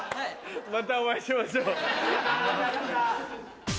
またお会いしましょう。